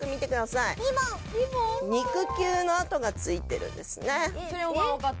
肉球の跡がついてるんですね。